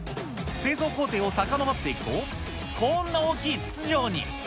製造工程をさかのぼっていくと、こんな大きい筒状に。